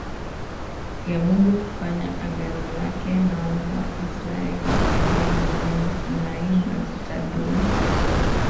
ya Mungu kufanya Agano lake na wana wa Israel pale mlimani Sinai na zitadumu